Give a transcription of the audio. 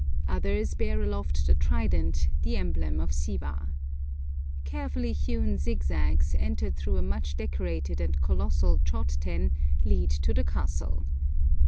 Others bear aloft the trident, the emblem of Siva. Carefully hewn zigzags, entered through a much decorated and colossal chod ten, lead to the castle.